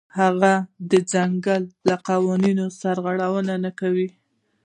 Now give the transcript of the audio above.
هغه د ځنګل له قوانینو سرغړونه نه کوله.